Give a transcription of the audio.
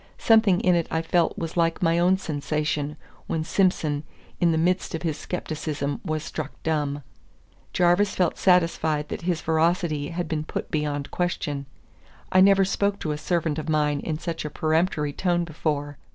Something in it I felt was like my own sensation when Simson in the midst of his scepticism was struck dumb. Jarvis felt satisfied that his veracity had been put beyond question. I never spoke to a servant of mine in such a peremptory tone before.